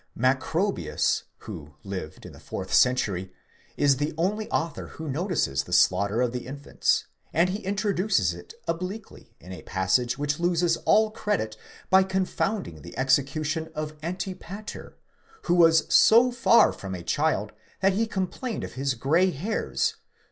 Macrobius, who lived in the fourth century, is the only author who notices the slaughter of the infants, and he introduces it obliquely in a passage which loses all credit by confounding the execution of Antipater, who was so far from a child that he complained of his grey hairs